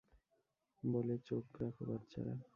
বলে চোখ রাখো, বাচ্চারা!